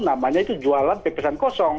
namanya itu jualan pepesan kosong